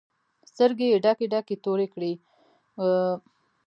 سترګې یې ډکې ډکې تورې کړې وې او جامې یې سپینې وې.